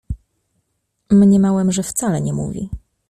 Mniemałem, że wcale nie mówi.